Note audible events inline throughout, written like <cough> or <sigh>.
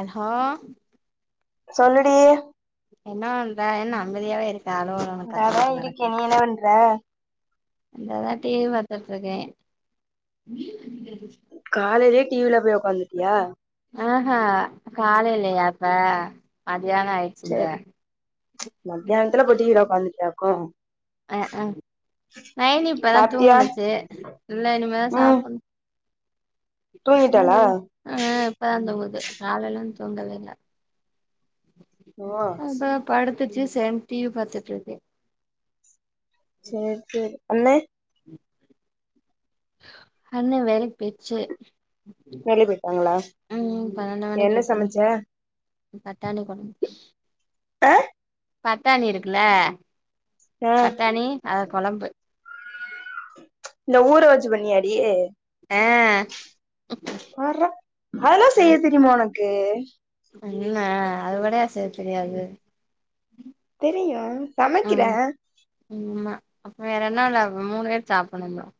அல்ஹோ சொல்லுடி என்ன பண்ற என்ன அமதியாவே இருக்க அலோ அலோ இங்கதா இருக்கே என்ன பண்ற இந்ததா டி வி பாத்துட்ருக்கே காலைலயே டி வி ல போய் உக்காந்துட்டியா ஆ ஹ காலலயா இப்ப மதியான ஆயி ச மத்தியானத்துல போட்ட <unintelligible> உக்காந்துட்டியாக்கு அ அ நயனி இப்பதா சாப்ட்டியா தூங்கினுச்சு இல்ல இனிம தா ம் சாப்பிட்ணு தூங்கிட்டாளா தூங்கவே ஆ இப்பதா தூங்குது காலேல இருந்து தூங்கவே இல்ல ஓ அதா படுத்துச்சு சேந்து டி வி பாத்துட்டு இருக்கே சேரி சேரி அண்னே ம் அண்ண வேலைக்கு பேய்ச்சு வெளிய போய்ட்டாங்களா பன்னெண்டு மணிக்கு என்ன இப்பதா சமச்ச பட்டாணி கொழம்பு அ பட்டாணி இருக்குல்ல ஆ பட்டாணி அத கொழம்பு இத ஊர வச்சி பண்னியாடி அ பார்ரா அதெல்லா செய்ய தெரிமா உனக்கு என்ன அது கூடயா செய்ய தெரியாது தெரியு ஆ சமைக்கிற ஆமா அப்போ வேற என்ன இ ம்மா வேற என்ன வேல மூணு பேர் சாப்பிடணு <unintelligible>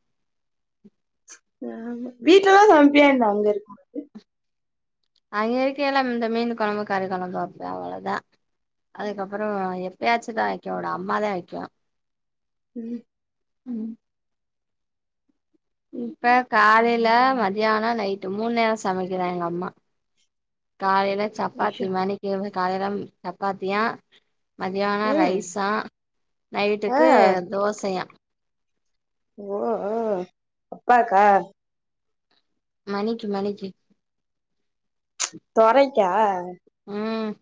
ஆமா வீட்டுலல்லா சமைப்பியா என்ன அங்க இருக்கும் போது அங்க இருக்கயில இந்த மீன் கொழம்பு கறி கொழம்பு வெப்ப அவ்வள தா அதுக்கப்புறோ எப்பயாச்சு தா வைக்க உடு அம்மாத வைக்கு ம் ம் இப்ப காலைல மதியானோ நைட்டு மூணு நேரோ சமைக்கிறா எங்க அம்மா காலைல சப்பாத்தி ஐயோ மணிக்கு வந்து காலைல சப்பாத்தியா மதியானோ ம் ரைசா ஆ நைட்டுக்கு தோசையா ஓ ஓ அப்பாக்கா மணிக்கி மணிக்கி தொரைக்கா ம்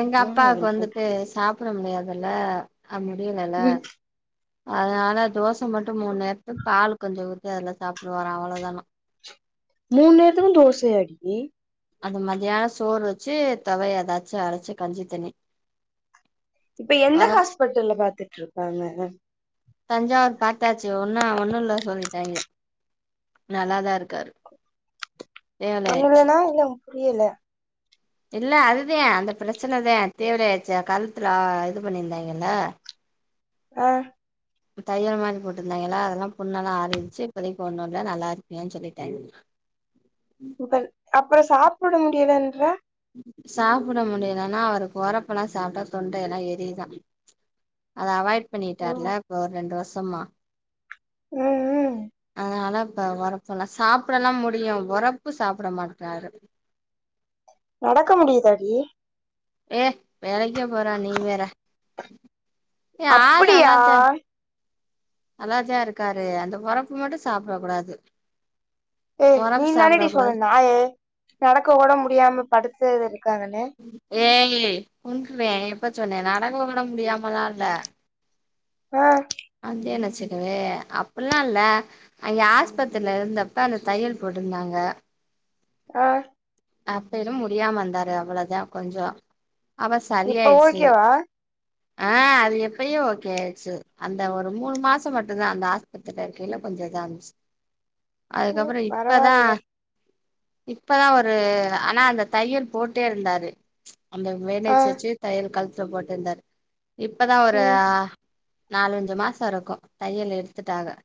எங்க அப்பாக்கு ம் வந்துட்டு சாப்ட முடியாதுல்ல அ முடியலல்ல ம் அதனால தோஸ் ச மட்டு மூன் நேரத்து பால் கொஞ்ச ஊத்தி அதுல சாப்டுருவாரா அவ்வளதானா மூணேரதுக்கு தோசையாடி அது மத்தியான சோறு வச்சு துவையை ஏதாச்சு அரச்சு கஞ்சி தண்ணி இப்ப எந்த வரப் ஹாஸ்பிட்டல்ல பாத்துட்டு இருக்காங்க தஞ்சாவூர் பாத்தாச்சு ஒன்னு ஒண்ணு இல்ல சொல்லிட்டாங்க நல்லாதா இருக்காரு தேவலை ஆயிடுச்சு ஒண்ணுலனா இன்னு புரியல இல்ல அதுதே அந்த பிரச்சனதே தேவலையாச்சு கழுத்துல இது பண்ணியிருந்தாங்கல்ல ஆ தையல் மாரி போட்ருந்தாய்ங்கல்ல அதெல்லா புண்ணெல்லா ஆறிடுச்சு இப்பதைக்கு ஒன்னுல்ல நல்லா இருக்குன் சொல்லிட்டாங்க <unintelligible> அப்ப சாப்பிட முடியலன்ற சாப்புட முடியலன்னா அவருக்கு ஒரப்பெல்லா சாப்ட்டா தொண்டையெல்லா எரிதா அத அவாய்ட் பண்ணிட்டார்ல ம் இப்போ ரெண்டு வருஷமா ம் ம் அதனால இப்ப வர சொல்லா சாப்டலா முடியு ஒரப்பு சாப்ட மாட்றாரு நடக்க முடியுதாடி ஏ வேலைக்கே போற நீ வேற அப்படியா நல்லாதா இருக்காரு அந்த பொறப்பு மட்டு சாப்டக்கூடாது ஏ நீ தானடி சொன்ன கூடாது நாயே நடக்க கூட முடியாம படுத்தே இருக்காங்கன்னு ஏய் லிலே கொன்றுவ எப்ப சொன்ன நடக்க கூட முடியாமல்லா இல்ல ஆ வந்தேன் வச்சுக்குவே அங்க ஆஸ்பத்திரில இருந்தப்ப அந்த தையல் போட்டுருந்தாங்க ஆ அப்பிலும் முடியாம இந்தாரு அவ்ளதா கொஞ்சோ அவ்வோ இப்ப சரியாயிச்சு ஓகேவா ஆ அது எப்பயே ஓகே ஆயிச்சு அந்த ஒரு மூணு மாசம் மட்டு்தா அந்த ஹாஸ் பத்தில்ல இருக்கு என்ன பண்றது ஆரம்ப்ச் <unintelligible> ம் அதுக்கப்புறோ இப்பதா பரவால்ல இப்பதா ஒரு ஆனா அந்த தையல் போட்டே இருந்தாரு அந்த ஆ மேனஜ் வச்சு தையல் கழுத்துல போட்டுருந்தாரு இப்பதா ஒரு ம் ஆ நாலஞ்சு மாசோ இருக்கு தையல் எடுத்துட்டாக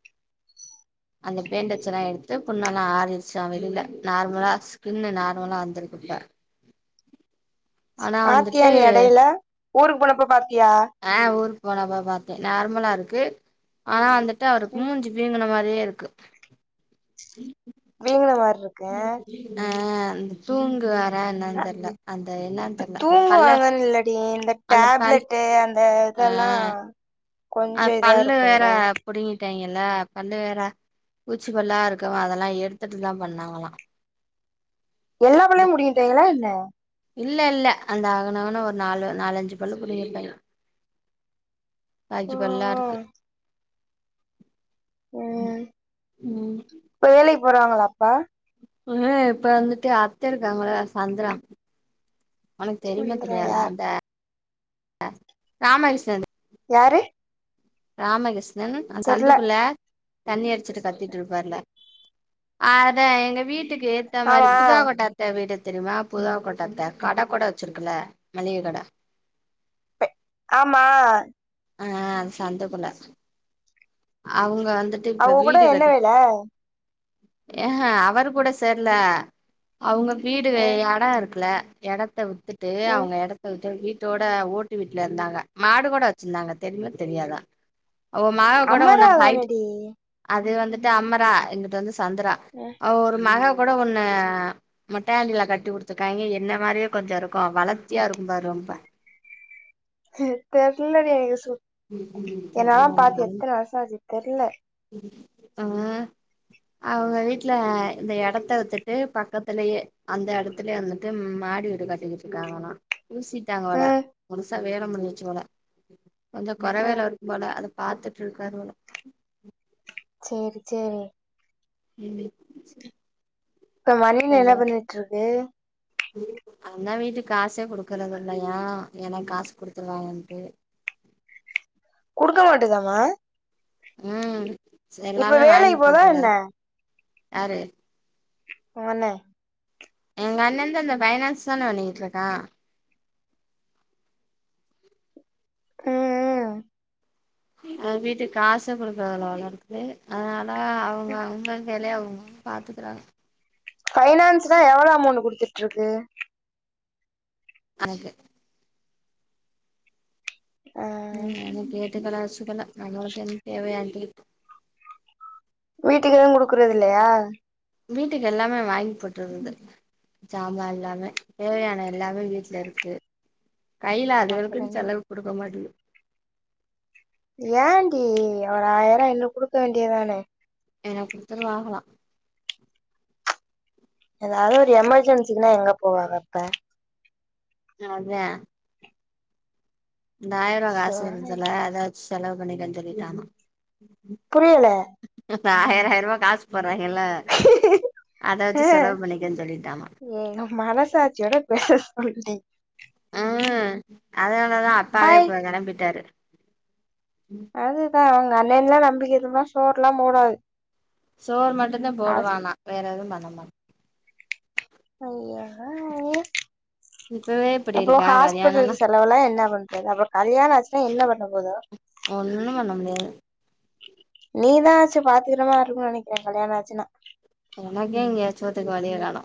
அந்த பேண்டச்சுல்லா எடுத்து புண்ணல்லா ஆறிடுச்சா வெளில நார்மலா பின்னு நார்மலா வந்திருக்கு இப்ப ஆனா பாத்தியா வந்துட்டு இல்லையா எடையில ஊருக்கு போனப்ல பாத்தியா ஆ ஊருக்கு போனப்ப பாத்தே நார்மலா இருக்கு ஆனா வந்துட்டு ம் அவருக்கு மூஞ்சு வீங்குன மாரியே இருக்கு வீங்குன மார்ருக் ஆ அந்த தூங்குவாரா என்னன் தெர்ல அந்த என்னன் தெர்ல அந்த பல்ல தூங்குவாங்கன்னு இல்லடி இந்த அந்த பல் டேப்லெட்டு அந்த ஆ இதெல்லா கொஞ்சோ அவுர் இதா பல்லு வேற இருக்குல்ல புடுங்கிட்டாய்ங்களா பல்லு வேற பூச்சி பல்லா இருக்கும் அதெல்லா எடுத்துட்டு தா பண்ணாங்களா எல்லா பல்லையும் புடுங்கிட்டாய்ங்களா என்ன இல்ல இல்ல அந்த அங்கன அங்கன ஒரு நாலு நாலஞ்சு பல்லு புடிங்கிருப்பாய்ங்க ஓ காஜிபல்லா இருக்கு ஓ ம் ம் வேலைக் போறாங்களா அப்பா ம் இப்ப வந்துட்டு அத்த இருக்காங்கள சந்தரா ஒனக் தெரியுமா சுந்தரா தெரியாத யார் அந்த யாரு ராமகிஷ்ணன் அந் தெர்ல சந்துகுள்ள தண்ணி அடிச்சிட்டு கத்திட்டு இருப்பாருல த்தா மாரி ஆமா புதுவா கொட்ட அத்த வீடு தெரியுமா புதுவா கொட்ட அத்த கடக்கூட வச்சிருக்கும்ல மளிக கட ஆமா ஆ அந்த சந்தக்குள்ள அவுங்க வந்துட் அவுங்கூட என்ன வேல எ ஆ அவரு கூட சேர்ல அவுங்க வீடு அ எட இருக்குல எடத்த வித்துட்டு ம் அவுங்க எடத்த வித்து வீட்டோட ஓட்டு வீட்ல இருந்தாங்க மாடு கூட வச்சிந்தாங்க தெரிமா தெரியாதா அவ மாடு கூட ஒன்னு அமரா ஹைட் தானடி அது வந்துட்டு அம்மரா இங்கிட்டு வந்து சந்தரா மாய் அவ ஒரு மக கூட ஒன்னு மொட்டையண்டிலா கட்டி குடுத்துருக்காங்க என்ன மாரியே கொஞ்ச இருக்கு வளத்தியா இருக்கும்பா ரொம்ப தெர்லடி எனக் சு ஏனா தெர்ல பாத்து உனக்கு எத்தன வருஷ ஆச்சு தெர்ல ஆ அவங்க வீட்ல இந்த இடத்த வித்துட்டு பக்கத்துலயே அந்த இடத்து த்துலே வந்துட்டு மாடி வீடு கட்டிக்கிட்டு இருக்காங்கலா பூசிட்டாங்க வோல ம் புதுசா வேல முடிஞ்சுச்சுபோல கொஞ்ச ஆ குறவேலருக் கு போல அத பாத்துட்டு இருக்காருபோல சேரி சேரி ம் இப்ப மணில என்ன பண்ணிட்ருக்கு அண்ணா வீட்டுக் காசே குடுக்கறதுதில்லையா எனக் காசு குடுத்துருவாங்கன்ட்டு குடுக்க மாட்டுதாமா உம் இப்ப வேலைக் போதா என்ன யாரு ஒங்கண்ணே எங்க அண்ணந்தா அந்த பைனான்ஸ் தான வண்ணிட்டிருக்கா ம் ம் அவ வீட்டுக்கு காசே குடுக்றதுல்ல போலருக்குது அதனால அவங்க அவங்க வேலைய அவங்க பாத்துக்றாங்க ஃபைனான்ஸ்னா எவ்ளோ அமௌண்ட் குடுத்துட்ருக்கு அன்கு ஆ ம் கேட்டு <unintelligible> நம்ளுக்கு ஏது தேவயாண்டி வீட்டுக்கு எது குடுக்றதில்லையா வீட்டுக் எல்லாமே வாங்கி போட்டுருந்து சாம்மா எல்லாமே தேவையான எல்லாமே வீட்லருக்கு கையல அப்புற அதுகளுக்குனு என்ன செலவுக் குடுக்க மாட்டுக்து ஏன்டி ஒரு ஆயிரோ ஐநூறு குடுக்க வேண்டியதானே எனக் குடுத்துரு வாகலா எதாவது ஒரு எமர்ஜென்சினா எங்க போவாங்கப்ப அதா இந்த ஆயருவா காசு வருதுல அத வச்சு செலவு பண்ணிக்கனு சொல்லிட்டானா புரியல இப்ப ஆயர ஆயருவா காசு போடுறாகள்ள அதவச்சு செலவு பண்ணிகன்னு சொல்லிட்டானா ஏய் மனசாச்சியோட பேச சொல்டி உம் அதனாலதா அப்பாவே ஹாய் இப்ப கெளம்பிட்டாரு அதுதா உங்க அண்ணன்ல்லா நம்பிகிட் இருந்தா சோறுலா போடாது சோர் மட்டும்தா போடுவானா வேற எதுவு பண்ண மாட் அய்யோ அய்யோ இப்பவே இப் அப்போ ஹாஸ்பிட்டலுக் செலவு எல்லா என்ன பண்றது அப்றோ கல்யாணோ ஆச்சுா என்ன பண்ண போதோ ஒண்ணு பண்ண முடியாது நீதான் ஆச்சு பாத்துக்கிறமா இருக்கும்னு நெனைக்கிறே கல்யாண ஆச்சுனா எனக்கே எங்கயாச்சு போததுக்கு வழிய காணு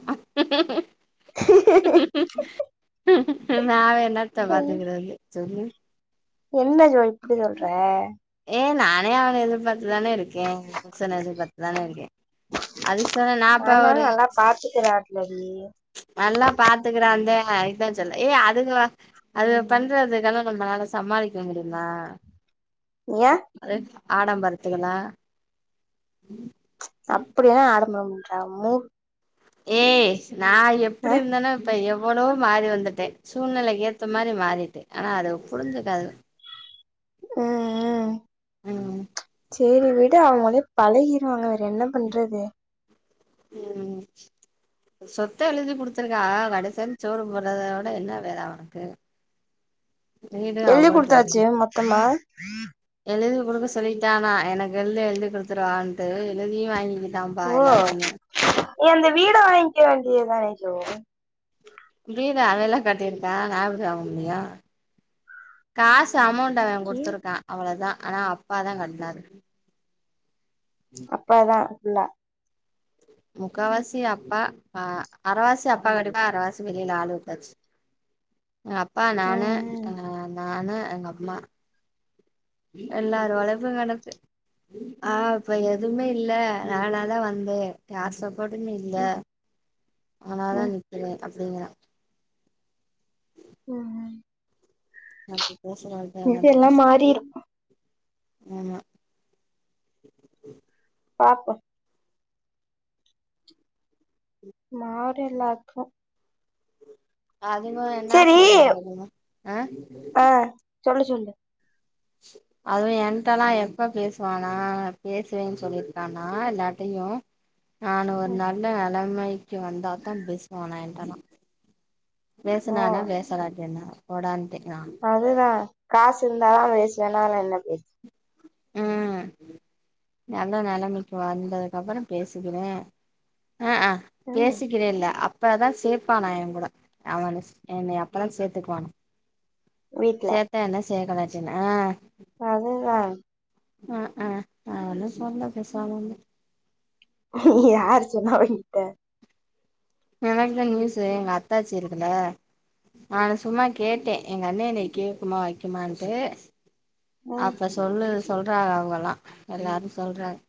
வேற என்னத்த ஐய் பாத்துகறது சொல்லு என்ன ஜோ இப்படி சொல்ற ஏ நானே அவன எதிர்பாத்துதான இருக்கே புருஷனை எதிர்பாத்து தான இருக்கே அதுக் சொன்னா நா இப்ப ஒரு பாத்துக்கிறார்லடி நல்லா பாத்துக்கிறாந்தா அதுக்தா சொல்லே ஏய் அதுக்கு அது பண்றதுக்கெல்ல நம்மளால சமாளிக்க முடியுமா யா அது ஆடம்பரத்துள அப்டியென்ன ஆடம்பரம் <unintelligible> ஏய் நா எப்டி அ இருந்தனோ இப்ப எவ்வளோ மாரி வந்துட்டே சூழ்நிலைக்கு ஏத்த மாரி மாறிட்டே ஆனா அது புரிஞ்சுக்காது அ அ ம் சேரி வீடு அவங்களே பழகிடுவாங்க வேற என்ன பண்றது ம் சொத்த எழுதி குடுத்துருக்கா கடைசி வர சோறு போடுறத விட என்ன வேல அவனுக்கு வீடு சொல்லி அவகள்ட்ட இருக்கு குடுத்தாச்சு மொத்தமா எழுதி குடுக்க சொல்லிட்டானா எனக்கு எழுது எழுதி குடுத் பத்து ரூவான்ட்டு எழுதியு வாங்கிக்கிட்டான்ப்பா ஓ எல்லாத்தையு நீ அந்த வீடு வாங்கிக்க வேண்டியதுதானடி வீடு அதெல்லா கட்டியிருக்கா நா எப்டி வாங்க முடியு காசு மொத்தஅமௌண்ட் அவ கொடுத்துருக்கா அவ்வளோதா ஆனா அப்பா தா கட்னாரு அப்பா வா ஃபுல்லா முக்கவாசி அப்பா அ அரைவாசி அப்பா அரைவாசி வெளியில ஆளு விட்டாச்சு எங்க அப்பா நானு ம் அ நானு எங்க அம்மா எல்லாரு உழைப்பு கெடக்கு ஆ இப்ப எதுவுமே இல்ல நானாதா வந்தே யார் சப்போர்டன்னு இல்ல ம் ம் ஆனால ம் நிர்கிறே அப்டிங்கிற ம் ம் அப்ப பேசறப்ப இதெல்லா பேச மாறி இருக்கு <unintelligible> ஆமா பாப்போ மாரில்லாக்கு அதுங்க என்ன சரி சொல்றாங்க தெரிமா ஆ ஆ சொல்லு சொல்லு அதுவு என்ட்டலா எப்போ பேசுவானா பேசுவேன்னு சொல்லியிருக்கான்னா எல்லாட்டையு நானு ஒரு ம் நல்ல நிலமைக்கு வந்தா தா பேசுவநா என்டலா ஓ பேசுனானா பேசலாட்டி என்ன போடா டே நா அதுதா காசு இருந்தா தா பேசுவ வேண என்ன பேச ம் நல்ல நிலைமைக்கு வந்ததுக்கு அப்புற பேசுிக்கிறே அ அ ம் பேசுகிறேல்ல அப் ப்பதா சேப்பானா எங்கூட அவனச் எனை அப்பதான் சேத்துக்வானா வீட்ல சேத்தா என்ன சேகலாச்சனா அ அதுதா அ அ அவுனு சொந்த பேசாமந்து யாரு சொன்ன உங்கிட்ட எனக்தா நியூசு எங்க அத்தாச்சி இருக்குல நானு சும்மா கேட்டே எங்க அண்ணே எனை கேக்குமா வெக்குமான்ட்டு ம் அப்ப சொல்லு சொல்றா அவுகலா எல்லாரு சொல்றாங்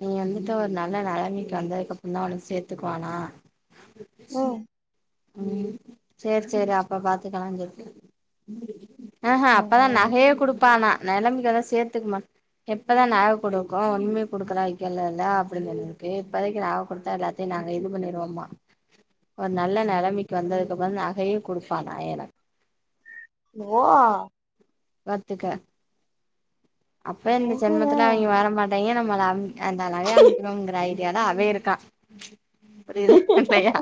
நீ வந்துட்டு ஒரு நல்ல நெலமைக்கு வந்ததுக்கப்றந்தா ஒனக் சேத்துக்குவானா ம் ம் சேர் சேரி அப்ப பாத்துக்கலான் சொல்ட்டு ஆஹ அப்பதா ம் நகையே குடுப்பானா நெலம்பிகதா சேத்துக்மன் எப்பதா நக குடுக்கு ஒன்னுமே குடுக்கற ஐடியால இல்ல அப்டினு <unintelligible> சே நாங்க இது பண்ணிருவோமா ஒர் நல்ல நெ லமைக்கு வந்ததுக்கப்ப நகையே குடுப்பானா எனக் நுவோ வத்துக்க அப்போ இந்த அதுதா ஜென்மத்துல அவிங்க வர மாட்டாய்ங்க நம்மள <unintelligible> டியால அவே இருக்கா புரிதா லையா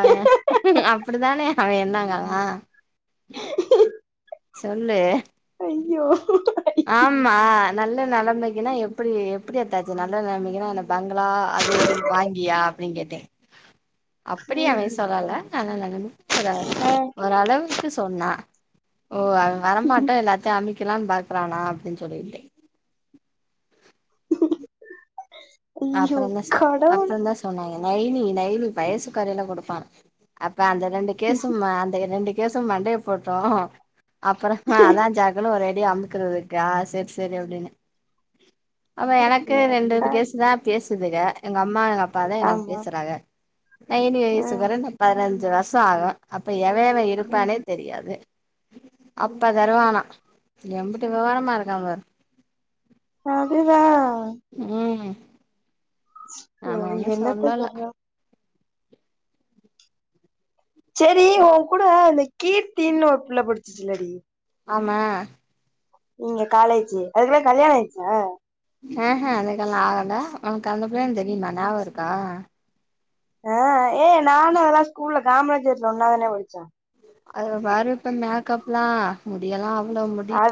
அவையா அப்டிதானே அவே என்னாங்கலா சொல்லு ஐயோ ஆமா நல்ல நெலமைக்குனா எப்டி எப்டி அத்தாச்சு நல்ல நெலமைக்குனா என்ன பங்களா அது இதுன வாங்கியா அப்டின் கேட்டே அப்பிடி ம் அவே சொல்லல நா <unintelligible> ஒரு ஆ ஒரளவுக்கு சொன்னா ஓ அவே வரமாட்டோ எல்லாத்த அமிக்கிலான் பாக்றானா அப்டின் சொல்லிட்டு ஐயோ அப்றந்தச் கடவுளே அப்றந்தச் சொன்னாங்க நைனி நைனி வயசு கரைல குடுப்பா அப்ப அந்த ரெண்டு கேசும் அந்த ரெண்டுக் கேசும் மண்டைய போட்டோ அப்பறமா அதாஞ் ஜாக்குனு ஒரு அடி அமுக் க்கறதுக்கா சேர் சேரி அப்டினு ஆமா எனக்கு ஐயோ ரெண்டு கேசுதாப் பேசுதுக எங்க அம்மா எங்க அப்பாதா எனக் ஆமா பேசறாக நைனி வயிசுகு ம் வரனப் பதனஞ்சு வர்ஷ ஆகு அப்ப எவெ எவெ ம் இருப்பானேத் தெரியாது அப்ப தருவானா எம்புட்டு வெவரமா இருக்கா பாரு அதுதா ம் யோ நாம ஒன்னு என்னத்த சொல்லல சொல்ற சேரி ஊங்கூட இந்த கீர்த்தின்னு ஒரு பிள்ள படிச்சிச்சுல்லடி ஆமெ இங்க காலேச்சி அதுக்குளா கல்யாண ஆயிச்சா அ அ அதுக்கெல்லா ஆகல உனக்கு அந்த பிள்ளைன் தெரியுமா ஞாபருக்கா அ அ ஏ நானு அதலா கூல்ல காமராஜர்ல ஒன்னாதானே படிச்சே அதவ பாரு இப்ப மேக்கப்லா முடியெலா அவ்ளோ முடி அது